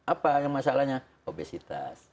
apa yang masalahnya obesitas